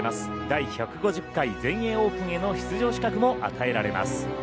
第１５０回全英オープンへの出場資格も与えられます。